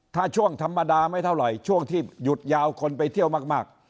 ถ้าช่วงธรรมดาไม่เท่าไหร่ช่วงที่หยุดยาวคนไปเที่ยวมาก